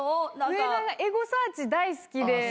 植田エゴサーチ大好きで。